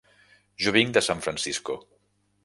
Jo vinc de San Francisco.